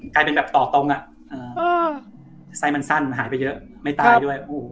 กลายเป็นแบบต่อตรงไซส์มันสั้นหายไปเยอะไม่ตายด้วย